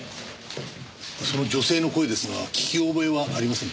その女性の声ですが聞き覚えはありませんか？